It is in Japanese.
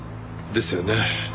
ですよね。